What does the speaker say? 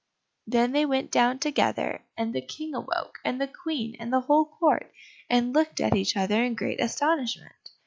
Then they went down together, and the King awoke, and the Queen, and the whole court, and looked at each other in great astonishment.